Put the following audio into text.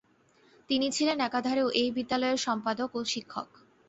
তিনি ছিলেন একাধারে এই বিদ্যালয়ের সম্পাদক ও শিক্ষক।